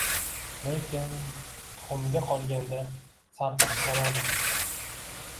Lekin… tuxumga qolganda, sal qizg‘anarmishsan?